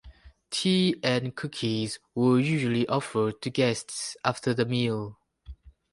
Tea and cookies were usually offered to guests after the meal.